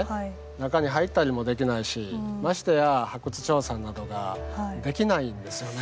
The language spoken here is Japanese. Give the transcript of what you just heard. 中に入ったりもできないしましてや発掘調査などができないんですよね。